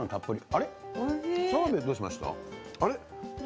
あれ、澤部、どうしました？